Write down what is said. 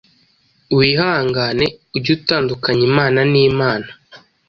Wihangane ujye utandukanya Imana n’imana